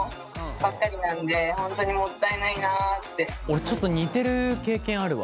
俺ちょっと似てる経験あるわ。